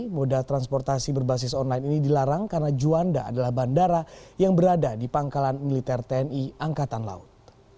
moda transportasi berbasis online ini dilarang karena juanda adalah bandara yang berada di pangkalan militer tni angkatan laut